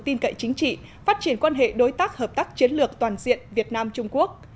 tin cậy chính trị phát triển quan hệ đối tác hợp tác chiến lược toàn diện việt nam trung quốc